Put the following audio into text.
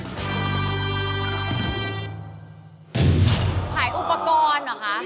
ขายอุปกรณ์เหรอคะ